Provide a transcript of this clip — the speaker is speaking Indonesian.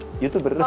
oh jadi youtuber